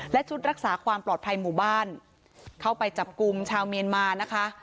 และชุดรักษาความปลอดภัยหมู่บ้านเข้าไปจับกลุ่มชาวเมียนมานะคะ